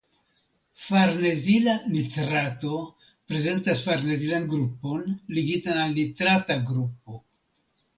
Farnezila nitrato prezentas farnezilan grupon ligitan al nitrata grupo.